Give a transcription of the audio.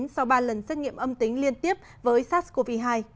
sau ba lần xét nghiệm âm tính liên tiếp với sars cov hai